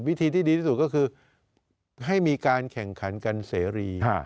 วิธีที่ดีที่สุดก็คือให้มีการแข่งขันกันเสรี